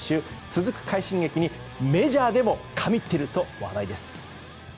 続く快進撃にメジャーでも神ってると話題です。